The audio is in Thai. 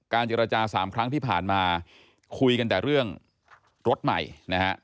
เจรจาสามครั้งที่ผ่านมาคุยกันแต่เรื่องรถใหม่นะฮะ